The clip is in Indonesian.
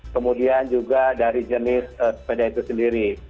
kemudian juga dari jenis sepeda itu sendiri